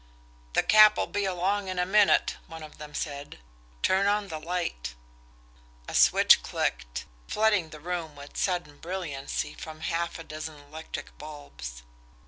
"The Cap'll be along in a minute," one of them said. "Turn on the light." A switch clicked, flooding the room with sudden brilliancy from half a dozen electric bulbs.